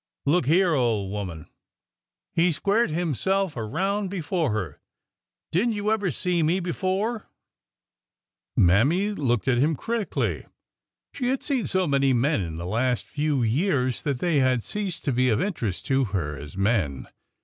Look here, old woman !" He squared himself around before her. " Did n't you ever see me before ?" Mammy looked at him critically. She had seen so many men in the last few years that they had ceased to be of interest to her as men.